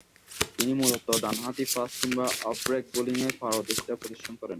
তিনি মূলতঃ ডানহাতি ফাস্ট কিংবা অফ ব্রেক বোলিংয়ে পারদর্শিতা প্রদর্শন করেছেন।